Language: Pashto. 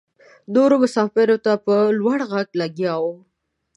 نورو مساپرو ته په لوړ غږ لګیا وه.